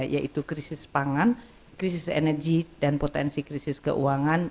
yaitu krisis pangan krisis energi dan potensi krisis keuangan